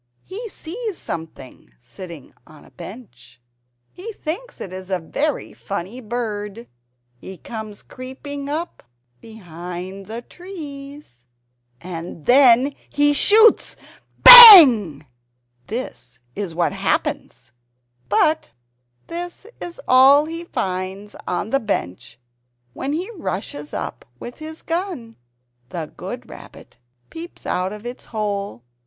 He sees something sitting on a bench. He thinks it is a very funny bird! He comes creeping up behind the trees. And then he shoots BANG! This is what happens But this is all he finds on the bench when he rushes up with his gun. The good Rabbit peeps out of its hole